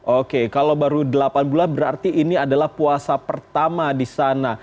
oke kalau baru delapan bulan berarti ini adalah puasa pertama di sana